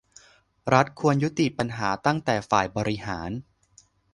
รัฐควรยุติปัญหาตั้งแต่ฝ่ายบริหาร